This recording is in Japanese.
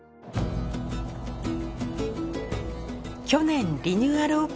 去年リニューアル